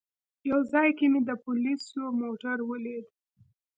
یو ځای کې مې د پولیسو موټر ولید.